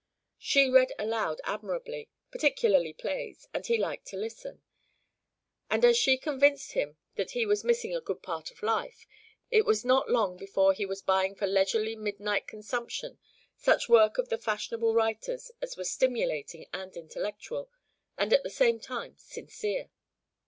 She read aloud admirably particularly plays and he liked to listen; and as she convinced him that he was missing a good part of life, it was not long before he was buying for leisurely midnight consumption such work of the fashionable writers as was stimulating and intellectual, and at the same time sincere.